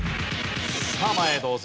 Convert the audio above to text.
さあ前へどうぞ。